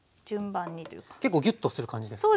結構ギュッとする感じですか？